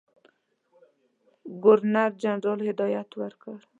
ګورنرجنرال هدایت ورکړ.